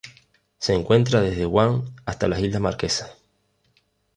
Se encuentra desde Guam hasta las Islas Marquesas.